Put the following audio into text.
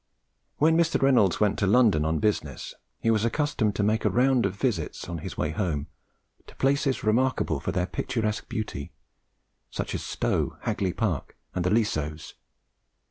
When Mr. Reynolds went to London on business, he was accustomed to make a round of visits, on his way home, to places remarkable for their picturesque beauty, such as Stowe, Hagley Park, and the Leasowes.